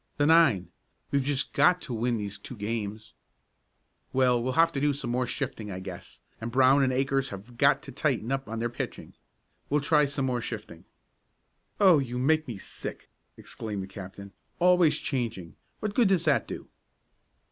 "The nine. We've just got to win these two games." "Well, we'll have to do some more shifting, I guess, and Brown and Akers have got to tighten up on their pitching. We'll try some more shifting." "Oh, you make me sick!" exclaimed the captain. "Always changing. What good does that do?"